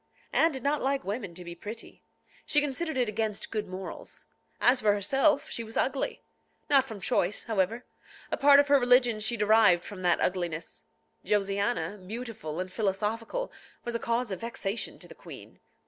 Anne did not like women to be pretty. She considered it against good morals. As for herself, she was ugly. Not from choice, however. A part of her religion she derived from that ugliness. Josiana, beautiful and philosophical, was a cause of vexation to the queen.